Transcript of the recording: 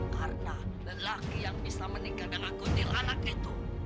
karena lelaki yang bisa menikah dengan kuntilanak itu